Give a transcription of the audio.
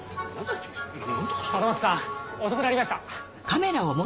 貞松さん遅くなりました。